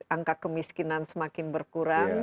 angka kemiskinan semakin berkurang